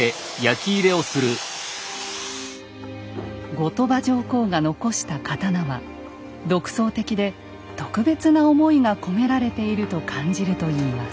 後鳥羽上皇が残した刀は独創的で特別な思いが込められていると感じるといいます。